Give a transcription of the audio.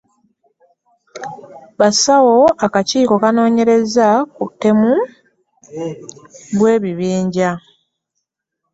Bassaawo akakiiko kanoonyereze ku butemu bw'ebijambiya